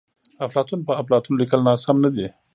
افلاطون په اپلاتون لیکل ناسم ندي.